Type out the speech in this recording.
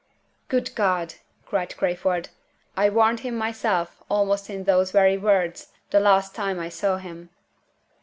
'" "Good God!" cried Crayford; "I warned him myself, almost in those very words, the last time I saw him!"